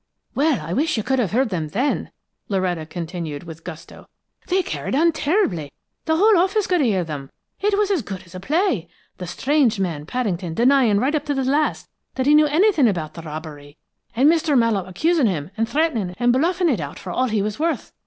"Well, I wish you could have heard them, then!" Loretta continued, with gusto. "They carried on terribly; the whole office could hear them. It was as good as a play the strange man, Paddington denying right up to the last that he knew anything about the robbery, and Mr. Mallowe accusing him, and threatening and bluffing it out for all he was worth!